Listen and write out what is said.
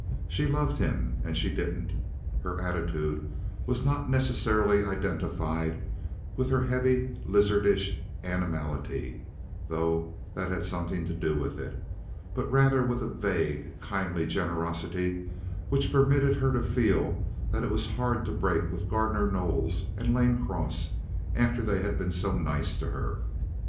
She loved him and she didn't. Her attitude was not necessarily identified with her heavy, lizardish animality, though that had something to do with it; but rather with a vague, kindly generosity which permitted her to feel that it was hard to break with Gardner Knowles and Lane Cross after they had been so nice to her.